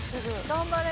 頑張れ！